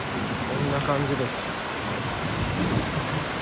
こんな感じです。